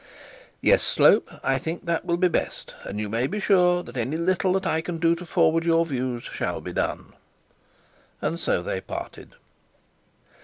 'Yes, Slope, I think that will be best; and you may be sure that any little that I can do to forward your views shall be done.' And so they parted.